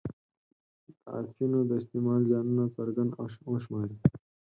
د اپینو د استعمال زیانونه څرګند او وشماري.